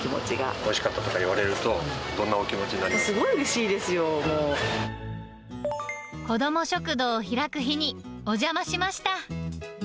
おいしかったとか言われると、すごいうれしいですよ、子ども食堂を開く日に、お邪魔しました。